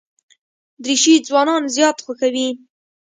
دریشي ځوانان زیات خوښوي.